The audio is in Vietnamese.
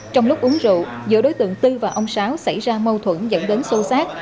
trong lúc uống rượu giữa đối tượng tư và ông sáo xảy ra mâu thuẫn dẫn đến sâu sát